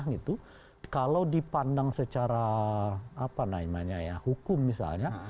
kalau dipandang secara apa namanya ya hukum misalnya